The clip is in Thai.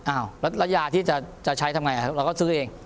อ้าวแล้วยาที่จะใช้ทำไงเราก็ซื้อเอง